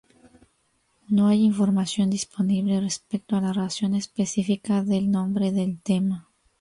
No hay información disponible respecto a la razón específica del nombre del tema.